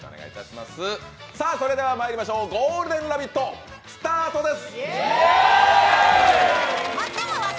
それではまいりましょう「ゴールデンラヴィット！」スタートです！